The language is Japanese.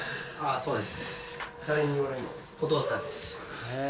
そうです。